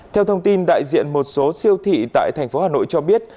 theo thông tin đại diện một số siêu thị tại thành phố hà nội cho biết